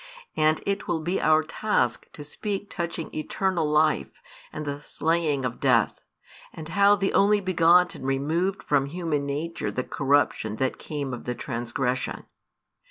And it will be our task to speak touching eternal life and the slaying of Death, and how |318 the Only begotten removed from human nature the corruption that came of the transgression.